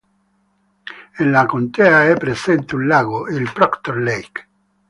Nella contea è presente un lago, il Proctor Lake.